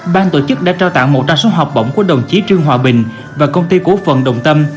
ban tổ chức đã trao tặng một đa số học bổng của đồng chí trương hòa bình và công ty của phần đồng tâm